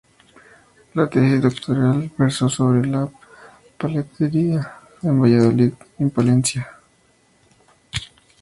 La tesis doctoral versó sobre la platería en Valladolid y en Palencia.